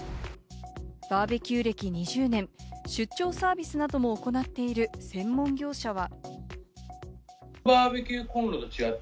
バーベキュー歴２０年、出張サービスなども行っている専門業者は。